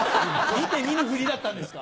見て見ぬふりだったんですか？